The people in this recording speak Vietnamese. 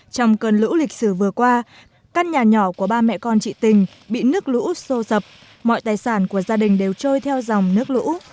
trong cơn lũ lịch sử vừa qua căn nhà nhỏ của ba mẹ con chị tình bị nước lũ sô sập mọi tài sản của gia đình đều trôi theo dòng nước lũ